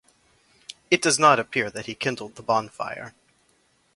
It does not appear that he kindled the bonfire.